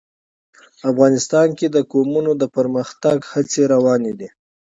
افغانستان کې د قومونه د پرمختګ هڅې روانې دي.